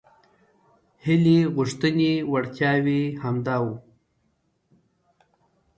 هیلې غوښتنې وړتیاوې همدا وو.